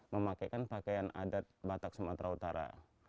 memakaikan pakaian adat batak sumatera utara